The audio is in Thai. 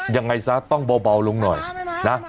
ยังไงซะต้องเบาลงหน่อยนะ